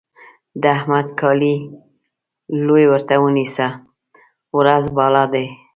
د احمد کالي لوی ورته ونيسه؛ ورځ بالا دی.